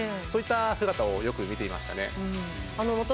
そういった姿をよく見てました。